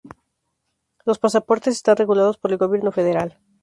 Los pasaportes están regulados por el gobierno federal.